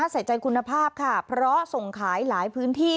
ใส่ใจคุณภาพค่ะเพราะส่งขายหลายพื้นที่